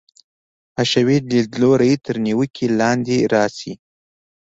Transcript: حشوي لیدلوری تر نیوکې لاندې راشي.